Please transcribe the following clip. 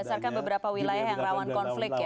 berdasarkan beberapa wilayah yang rawan konflik ya